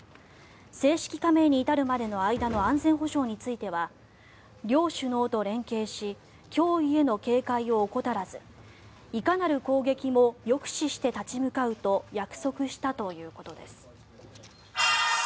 正式加盟に至るまでの間の安全保障については両首脳と連携し脅威への警戒を怠らずいかなる攻撃も抑止して立ち向かうと約束したということです。